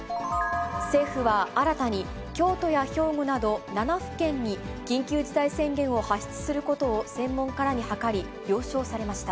政府は新たに京都や兵庫など７府県に緊急事態宣言を発出することを専門家らに諮り、了承されました。